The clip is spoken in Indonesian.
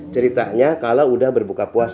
ceritanya kalau udah berbuka puasa